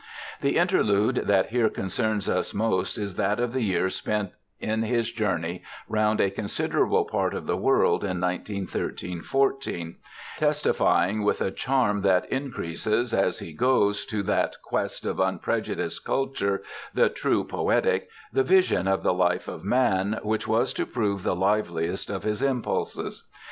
The interlude that here concerns us most is that of the year spent in his journey round a considerable part of the world in 1913 14, testifying with a charm that increases as he goes to that quest of unprejudiced culture, the true poetic, the vision of the life of man, which was to prove the liveliest of his impulses.